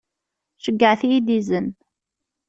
Ceyyɛet-iyi-d izen.